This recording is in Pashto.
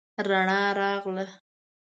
رڼا راغله